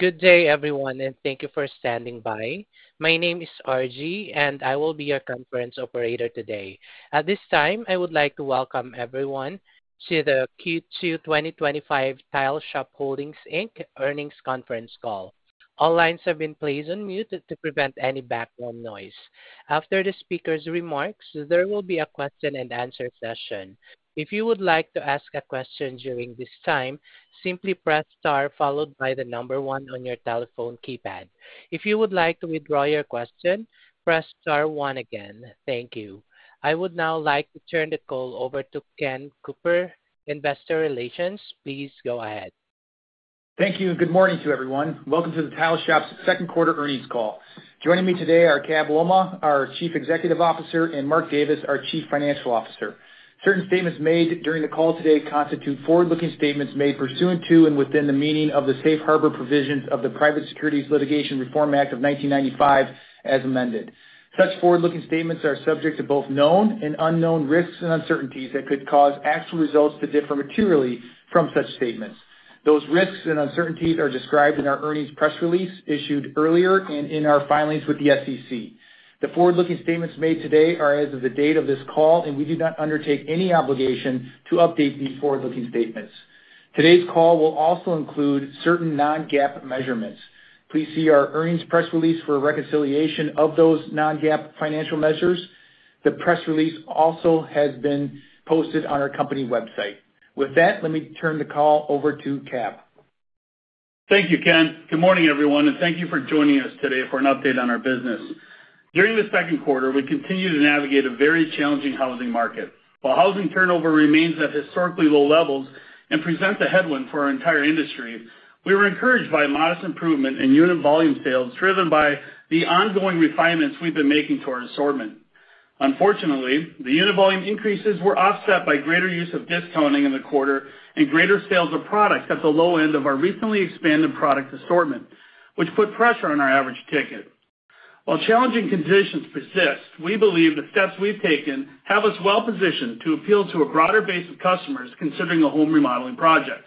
Good day, everyone, and thank you for standing by. My name is Arji, and I will be your conference operator today. At this time, I would like to welcome everyone to the Q2 2025 Tile Shop Holdings Inc. Earnings Conference Call. All lines have been placed on mute to prevent any background noise. After the speaker's remarks, there will be a question-and-answer session. If you would like to ask a question during this time, simply press star followed by the number one on your telephone keypad. If you would like to withdraw your question, press star one again. Thank you. I would now like to turn the call over to Ken Cooper, Investor Relations. Please go ahead. Thank you, and good morning to everyone. Welcome to Tile Shop's Second Quarter Earnings Call. Joining me today are Cab Lolmaugh, our Chief Executive Officer, and Mark Davis, our Chief Financial Officer. Certain statements made during the call today constitute forward-looking statements made pursuant to and within the meaning of the Safe Harbor provision of the Private Securities Litigation Reform Act of 1995 as amended. Such forward-looking statements are subject to both known and unknown risks and uncertainties that could cause actual results to differ materially from such statements. Those risks and uncertainties are described in our earnings press release issued earlier and in our filings with the SEC. The forward-looking statements made today are as of the date of this call, and we do not undertake any obligation to update these forward-looking statements. Today's call will also include certain non-GAAP measurements. Please see our earnings press release for a reconciliation of those non-GAAP financial measures. The press release also has been posted on our company website. With that, let me turn the call over to Cab. Thank you, Ken. Good morning, everyone, and thank you for joining us today for an update on our business. During the second quarter, we continued to navigate a very challenging housing market. While housing turnover remains at historically low levels and presents a headwind for our entire industry, we were encouraged by modest improvement in unit volume sales, driven by the ongoing refinements we've been making to our assortment. Unfortunately, the unit volume increases were offset by greater use of discounting in the quarter and greater sales of products at the low end of our recently expanded product assortment, which put pressure on our average ticket. While challenging conditions persist, we believe the steps we've taken have us well-positioned to appeal to a broader base of customers considering a home remodeling project.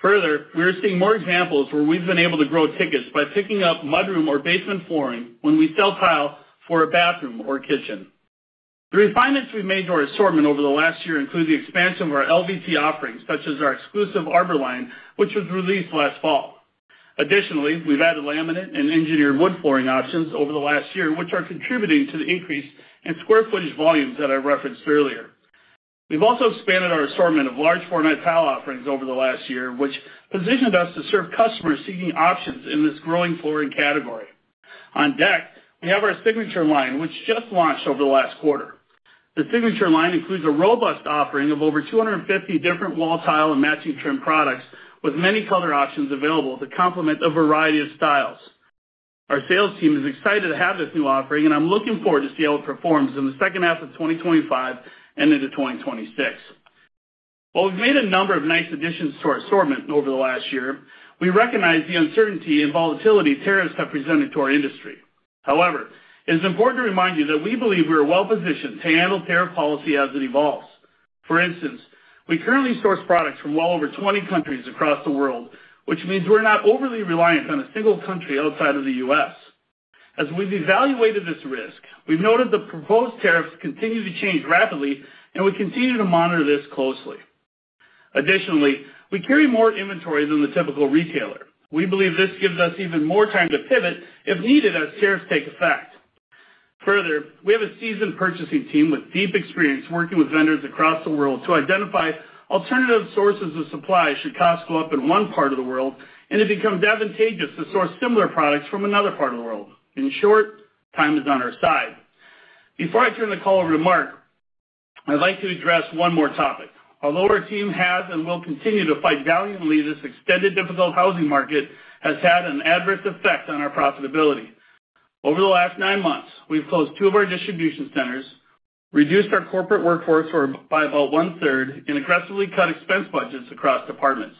Further, we're seeing more examples where we've been able to grow tickets by picking up mudroom or basement flooring when we sell tile for a bathroom or kitchen. The refinements we've made to our assortment over the last year include the expansion of our LVT offerings, such as our exclusive Arbour Line, which was released last fall. Additionally, we've added laminate and engineered wood flooring options over the last year, which are contributing to the increase in square footage volumes that I referenced earlier. We've also expanded our assortment of large-format tile offerings over the last year, which positioned us to serve customers seeking options in this growing flooring category. On deck, we have our Signature Line, which just launched over the last quarter. The Signature Line includes a robust offering of over 250 different wall tile and matching trim products, with many color options available to complement a variety of styles. Our sales team is excited to have this new offering, and I'm looking forward to seeing how it performs in the second half of 2025 and into 2026. While we've made a number of nice additions to our assortment over the last year, we recognize the uncertainty and volatility tariffs have presented to our industry. However, it is important to remind you that we believe we are well-positioned to handle tariff policy as it evolves. For instance, we currently source products from well over 20 countries across the world, which means we're not overly reliant on a single country outside of the U.S. As we've evaluated this risk, we've noted the proposed tariffs continue to change rapidly, and we continue to monitor this closely. Additionally, we carry more inventory than the typical retailer. We believe this gives us even more time to pivot if needed as tariffs take effect. Further, we have a seasoned purchasing team with deep experience working with vendors across the world to identify alternative sources of supply should costs go up in one part of the world and it becomes advantageous to source similar products from another part of the world. In short, time is on our side. Before I turn the call over to Mark, I'd like to address one more topic. Although our team has and will continue to fight valiantly, this extended difficult housing market has had an adverse effect on our profitability. Over the last nine months, we've closed two of our distribution centers, reduced our corporate workforce by about 1/3, and aggressively cut expense budgets across departments.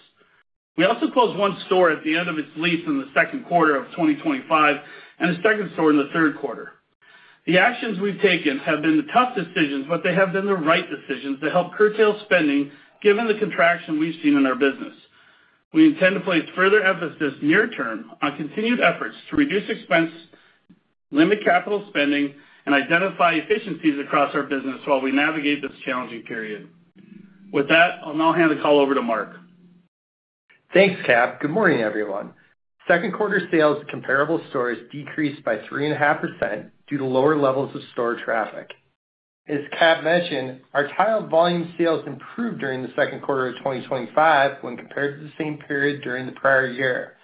We also closed one store at the end of its lease in the second quarter of 2025 and a second store in the third quarter. The actions we've taken have been tough decisions, but they have been the right decisions to help curtail spending given the contraction we've seen in our business. We intend to place further emphasis this year's turn on continued efforts to reduce expense, limit capital spending, and identify efficiencies across our business while we navigate this challenging period. With that, I'll now hand the call over to Mark. Thanks, Cab. Good morning, everyone. Second quarter sales at comparable stores decreased by 3.5% due to lower levels of store traffic. As Cab mentioned, our tile volume sales improved during the second quarter of 2025 when compared to the same period during the prior year.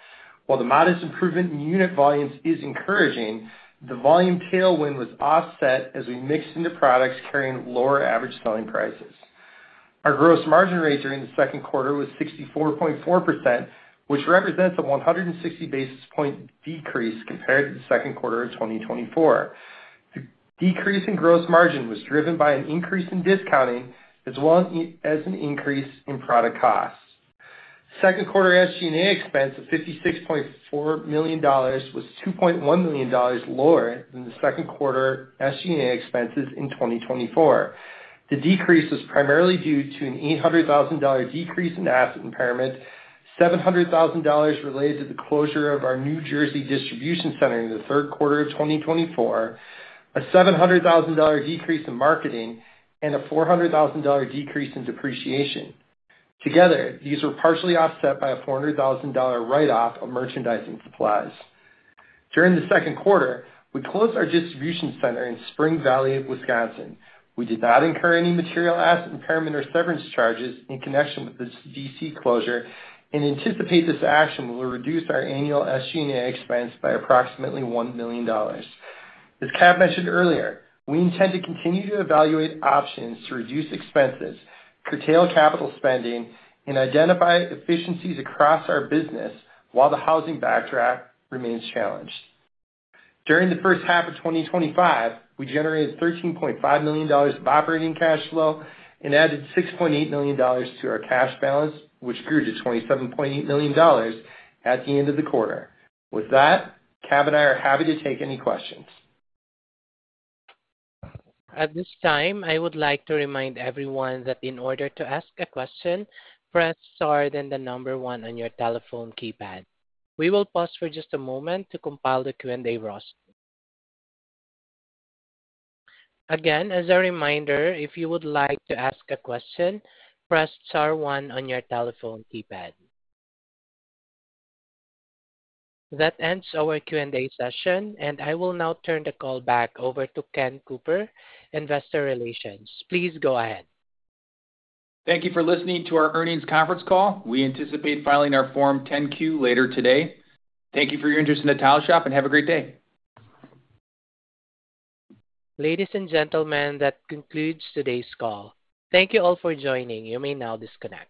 While the modest improvement in unit volumes is encouraging, the volume tailwind was offset as we mixed into products carrying lower average selling prices. Our gross margin rate during the second quarter was 64.4%, which represents a 160 basis point decrease compared to the second quarter of 2024. The decrease in gross margin was driven by an increase in discounting as well as an increase in product costs. The second quarter SG&A expense of $56.4 million was $2.1 million lower than the second quarter SG&A expenses in 2024. The decrease was primarily due to an $800,000 decrease in asset impairment, $700,000 related to the closure of our New Jersey distribution center in the third quarter of 2024, a $700,000 decrease in marketing, and a $400,000 decrease in depreciation. Together, these were partially offset by a $400,000 write-off of merchandising supplies. During the second quarter, we closed our distribution center in Spring Valley, Wisconsin. We did not incur any material asset impairment or severance charges in connection with this DC closure and anticipate this action will reduce our annual SG&A expense by approximately $1 million. As Cab mentioned earlier, we intend to continue to evaluate options to reduce expenses, curtail capital spending, and identify efficiencies across our business while the housing backdrop remains challenged. During the first half of 2025, we generated $13.5 million of operating cash flow and added $6.8 million to our cash balance, which grew to $27.8 million at the end of the quarter. With that, Cab and I are happy to take any questions. At this time, I would like to remind everyone that in order to ask a question, press star then the number one on your telephone keypad. We will pause for just a moment to compile the Q&A roster. Again, as a reminder, if you would like to ask a question, press star one on your telephone keypad. That ends our Q&A session, and I will now turn the call back over to Ken Cooper, Investor Relations. Please go ahead. Thank you for listening to our earnings conference call. We anticipate filing our Form 10-Q later today. Thank you for your interest in Tile Shop and have a great day. Ladies and gentlemen, that concludes today's call. Thank you all for joining. You may now disconnect.